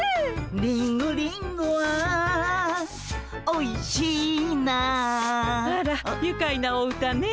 「リンゴリンゴはおいしいな」あらゆかいなお歌ね。